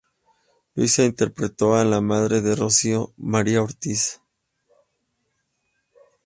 Luisa interpretó a la madre de Rocío, María Ortiz.